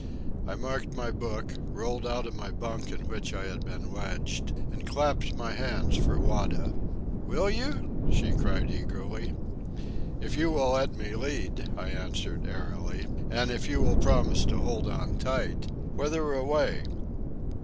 I marked my book, rolled out of my bunk in which I had been wedged, and clapped my hands for Wada. "Will you?" she cried eagerly. "If you let me lead," I answered airily, "and if you will promise to hold on tight. Whither away?"